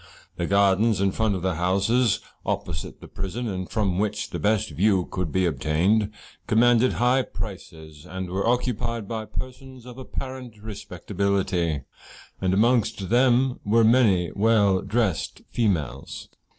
The gardens in front of the houses opposite the prison, and from which the best view could be obtained, commanded high prices, and were occupied by persons of apparent respectability, and amongst them were many well dressed females.